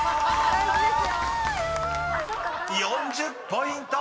［４０ポイント！］